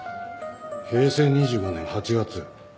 「平成２５年８月」。